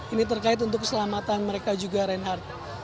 ini terkait untuk keselamatan mereka juga reinhardt